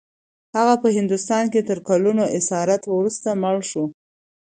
هغه په هندوستان کې تر کلونو اسارت وروسته مړ شو.